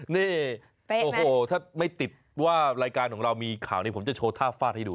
นี่โอ้โหถ้าไม่ติดว่ารายการของเรามีข่าวนี้ผมจะโชว์ท่าฟาดให้ดู